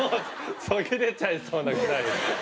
途切れちゃいそうなぐらい。